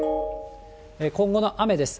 今後の雨です。